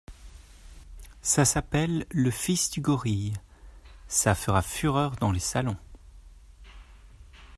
Ça s'appelle le Fils du gorille … ça fera fureur dans les salons.